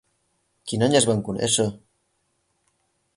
Quin any es van conèixer?